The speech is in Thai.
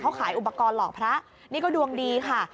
เขาขายอุปกรณ์หลอกพระนี่ก็ดวงดีค่ะ